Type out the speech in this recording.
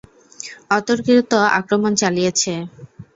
অতর্কিত আক্রমণ চালিয়েছে!